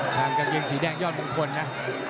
คลามกากเยี่ยงสีแดงยอดมงคลนะ